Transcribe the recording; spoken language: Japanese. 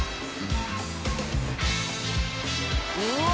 うわ！